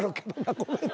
ごめんね。